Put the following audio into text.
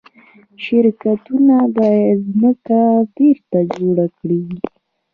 شرکتونه باید ځمکه بیرته جوړه کړي.